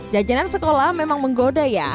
jajanan sekolah memang menggoda ya